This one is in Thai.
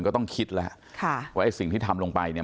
ก็ต้องคิดแล้วค่ะว่าไอ้สิ่งที่ทำลงไปเนี่ย